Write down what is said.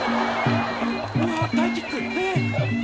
うわあタイキックええっ！？